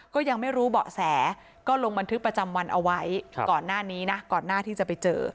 ก็ยังไม่รู้เบาะแสก็ลงบันทึกประจำวันเอาไว้ก่อนหน้านี้นะก่อนหน้าที่จะไปเจอ